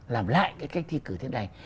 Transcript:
làm lại cái cách thi cử thế này